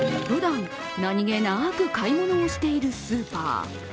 ふだん、何気なく買い物をしているスーパー。